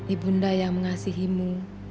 ibunda yang mengasihimu